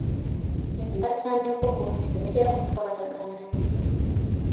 Emata n’enkoko tebatera kukwatagana nnyo.